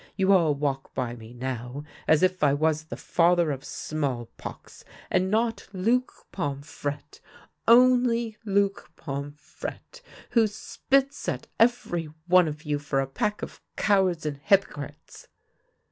you all walk by me now, as if I was the father of small pox, and not Luc Pomfrette — only Luc Pomfrette, who spits at every one of you for a pack of cowards and hypocrites."